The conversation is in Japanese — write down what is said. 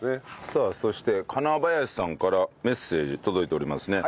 さあそして金林さんからメッセージ届いておりますね。